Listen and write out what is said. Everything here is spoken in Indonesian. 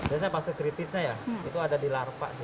biasanya fase kritisnya ya itu ada di larpa